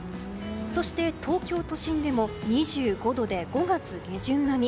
そして東京都心でも２５度で５月下旬並み。